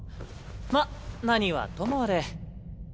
まっ何はともあれ。